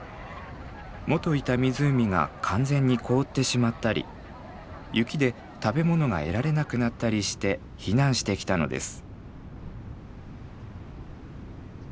もといた湖が完全に凍ってしまったり雪で食べ物が得られなくなったりして避難してきたのです。